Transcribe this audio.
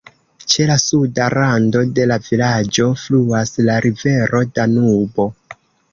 Ĉe la suda rando de la vilaĝo fluas la rivero Danubo.